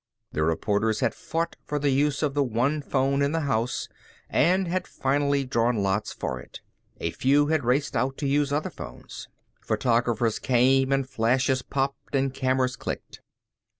The reporters had fought for the use of the one phone in the house and had finally drawn lots for it. A few had raced out to use other phones. Photographers came and flashes popped and cameras clicked.